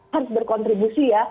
harus berkontribusi ya